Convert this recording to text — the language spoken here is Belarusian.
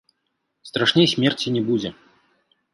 Страшней смерці не будзе.